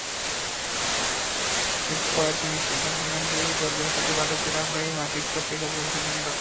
কিন্তু পরে তিনি সিদ্ধান্ত নেন যে, এই বর্গের প্রতি পাঠকদের আগ্রহ একটি মাসিক পত্রিকা প্রকাশের জন্য যথেষ্ট।